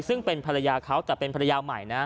ซึ่งเป็นภรรยาเขาแต่เป็นภรรยาใหม่นะ